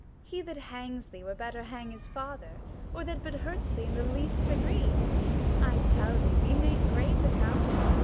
Gon. He that hangs thee, were better hang his father, Or that but hurts thee in the least degree, I tell thee, we make great account of thee.